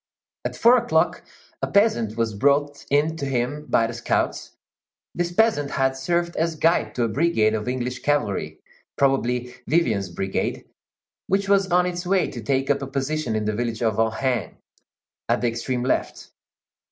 At four o'clock, a peasant was brought in to him by the scouts; this peasant had served as guide to a brigade of English cavalry, probably Vivian's brigade, which was on its way to take up a position in the village of Ohain, at the extreme left.